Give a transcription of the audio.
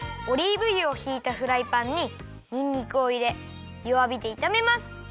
オリーブ油をひいたフライパンににんにくをいれよわびでいためます。